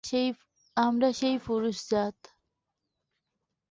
আমরা সেই পুরুষজাত।